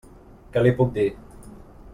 Què li puc dir?